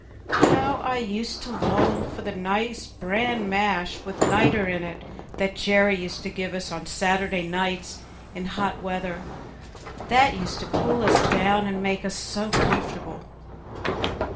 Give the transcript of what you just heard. How I used to long for the nice bran mash with niter in it that Jerry used to give us on Saturday nights in hot weather, that used to cool us down and make us so comfortable.